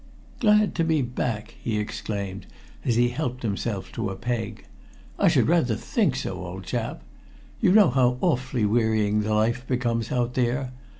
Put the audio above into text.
"Glad to be back!" he exclaimed, as he helped himself to a "peg." "I should rather think so, old chap. You know how awfully wearying the life becomes out there.